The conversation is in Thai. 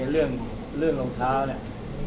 เรื่องเรื่องรองเท้าเนี่ย